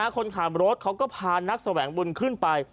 คนขับรถเขาก็พานักแสวงบุญขึ้นไป